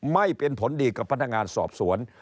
ไม่เป็นผลดีกับพนักงานสอบสวน